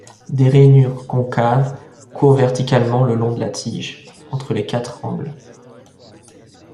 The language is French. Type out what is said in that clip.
Des rainures concave courent verticalement le long de la tige, entre les quatre angles.